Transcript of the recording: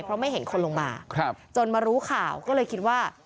เพราะไม่เห็นคนลงมาจนมารู้ข่าวก็เลยคิดว่า